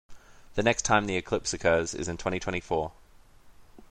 The next time the eclipse occurs is in twenty-twenty-four.